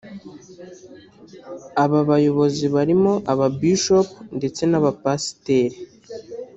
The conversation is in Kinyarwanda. Aba bayobozi barimo aba Bishop ndetse n’Aba pasiteri